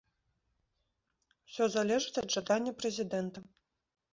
Усё залежыць ад жадання прэзідэнта.